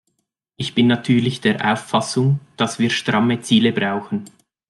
Ich bin natürlich der Auffassung, dass wir stramme Ziele brauchen.